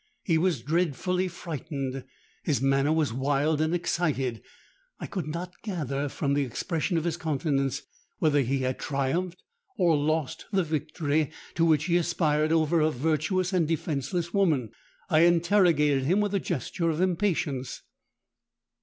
He was dreadfully frightened: his manner was wild and excited. I could not gather, from the expression of his countenance, whether he had triumphed or lost the victory to which he aspired over a virtuous and defenceless woman. I interrogated him with a gesture of impatience.